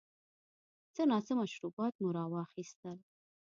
څه ناڅه مشروبات مو را واخیستل.